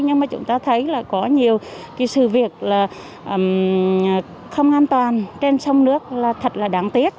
nhưng chúng ta thấy có nhiều sự việc không an toàn trên sông nước là thật đáng tiếc